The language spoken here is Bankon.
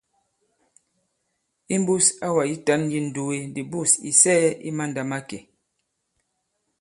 Imbūs awà yitan yi ǹnduge ndi bûs ì sɛɛ̄ i mandàmakè.